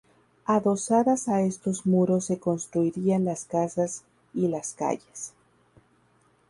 Adosadas a estos muros se construirían las casas y las calles.